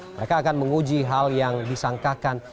mereka akan menguji hal yang disangkakan